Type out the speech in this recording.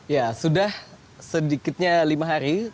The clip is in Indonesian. ya sudah sedikitnya lima hari